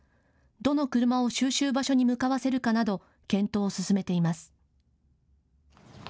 どの車を収集場所に向かわせるかなど検討を進めています。